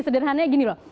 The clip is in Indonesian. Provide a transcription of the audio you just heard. sederhananya gini loh